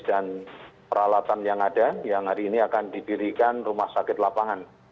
dan peralatan yang ada yang hari ini akan dibirikan rumah sakit lapangan